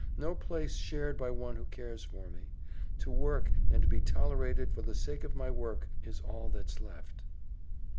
No place shared by one who cares for me. To work, and to be tolerated for the sake of my work, is all that's left."